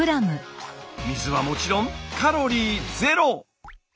水はもちろんカロリーゼロ！